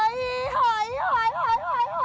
หอยอีหอยอีหอยหอยหอยหอยหอยหอยหอย